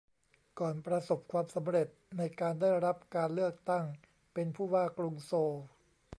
ก่อนประสบความสำเร็จในการได้รับการเลือกตั้งเป็นผู้ว่ากรุงโซล